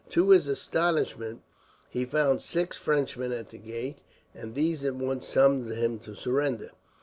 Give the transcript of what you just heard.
To his astonishment he found six Frenchmen at the gate, and these at once summoned him to surrender.